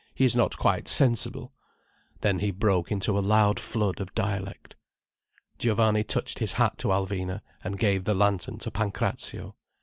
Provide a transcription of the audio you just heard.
"He is not quite sensible." Then he broke into a loud flood of dialect. Giovanni touched his hat to Alvina, and gave the lantern to Pancrazio.